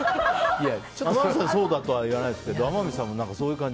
天海さんがそうだとは言わないですけど天海さんもそういう感じ。